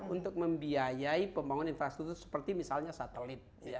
untuk membiayai pembangunan infrastruktur seperti misalnya satelit